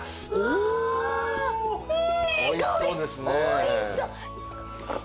おいしそう！